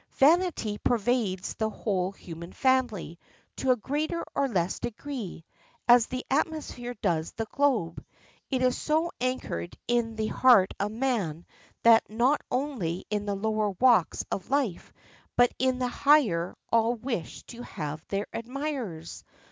Vanity pervades the whole human family to a greater or less degree, as the atmosphere does the globe. It is so anchored in the heart of man that not only in the lower walks of life but in the higher all wish to have their admirers.